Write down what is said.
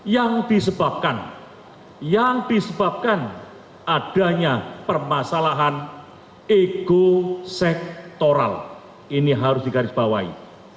yang disebabkan yang disebabkan adanya permasalahan ego sektoral ini harus digarisbawahi